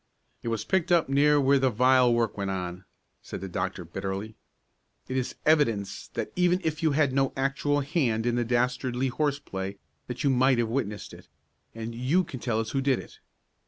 "It was picked up near where the vile work went on," said the doctor bitterly. "It is evidence that even if you had no actual hand in the dastardly horseplay, that you might have witnessed it, and you can tell us who did it.